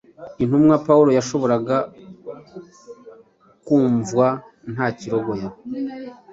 intumwa Pawulo yashoboraga kumvwa nta kirogoya.